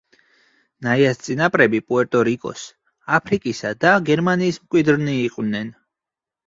ნაიას წინაპრები პუერტო-რიკოს, აფრიკისა და გერმანიის მკვიდრნი იყვნენ.